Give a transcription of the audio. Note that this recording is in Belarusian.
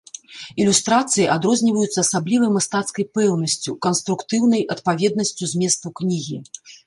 Ілюстрацыі адрозніваюцца асаблівай мастацкай пэўнасцю, канструктыўнай адпаведнасцю зместу кнігі.